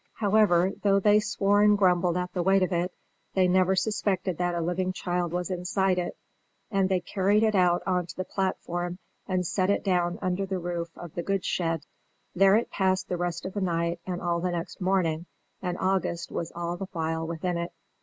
However, though they swore and grumbled at the weight of it, they never suspected that a living child was inside it, and they carried it out on to the platform and set it down under the roof of the goods shed. There it passed the rest of the night and all the next morning, and August was all the while within it.